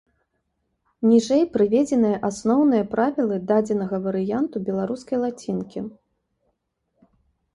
Ніжэй прыведзеныя асноўныя правілы дадзенага варыянту беларускай лацінкі.